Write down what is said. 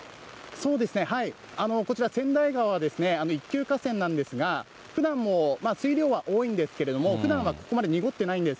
そうですね、こちら、せんだい川は一級河川なんですが、ふだんも、水量は多いんですけれども、ふだんはここまで濁ってないんです。